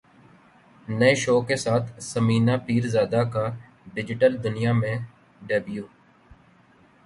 نئے شو کے ساتھ ثمینہ پیرزادہ کا ڈیجیٹل دنیا میں ڈیبیو